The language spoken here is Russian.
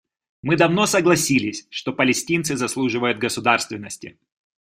Мы давно согласились, что палестинцы заслуживают государственности.